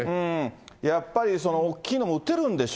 やっぱり大きいのも打てるんでし